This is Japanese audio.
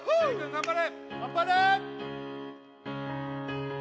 頑張れ！